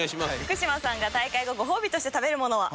福島さんが大会後ご褒美として食べるものは？